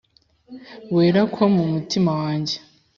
Wera ko mu mutima wanjye